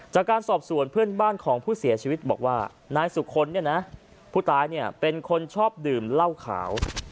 จากการสอบส่วนเพื่อนบ้านของผู้เสียชีวิตบอกว่านายสุคลเนี่ยนะผู้ตายเนี่ยเป็นคนชอบดื่มเหล้าขาว